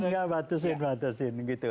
gak batusin batusin gitu